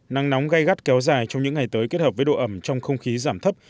nắng nóng gai gắt kéo dài trong những ngày tới kết hợp với độ ẩm trong không khí giảm thấp